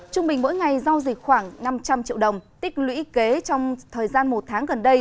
trung bình mỗi ngày giao dịch khoảng năm trăm linh triệu đồng tích lũy kế trong thời gian một tháng gần đây